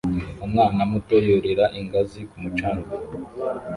Umwana muto yurira ingazi ku mucanga